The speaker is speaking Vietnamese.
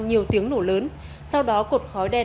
nhiều tiếng nổ lớn sau đó cột khói đen